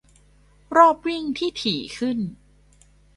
- รอบวิ่งที่ถี่ขึ้น